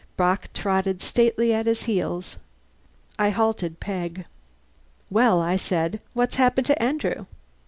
Bock trotted sedately at his heels. I halted Peg. "Well," I said, "what's happened to Andrew?"